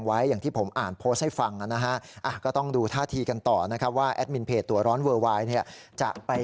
ตอนนี้ก็สารีละท่านยังอยู่